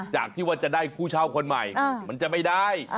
จากที่ว่าจะได้ผู้เช่าคนใหม่มันจะไม่ได้